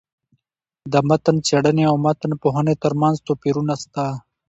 د متن څېړني او متن پوهني ترمنځ توپيرونه سته.